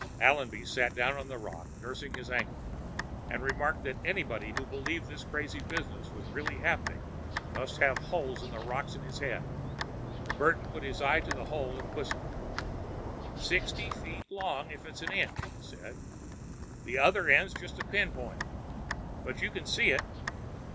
Allenby sat down on a rock, nursing his ankle, and remarked that anybody who believed this crazy business was really happening must have holes in the rocks in his head. Burton put his eye to the hole and whistled. "Sixty feet long if it's an inch," he said. "The other end's just a pinpoint. But you can see it.